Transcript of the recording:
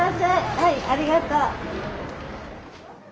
はいありがとう。